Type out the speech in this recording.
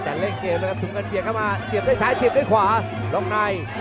ตั้งแต่เล็กเกมนะครับถุงเงินเสียบเข้ามาเสียบด้วยซ้ายเสียบด้วยขวาล้อไง